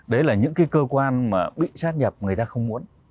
đấy là những cái cơ quan mà bị sát nhập người ta không muốn